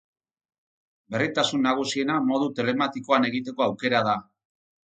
Berritasun nagusiena modu telematikoan egiteko aukera da.